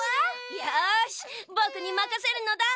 よしぼくにまかせるのだ。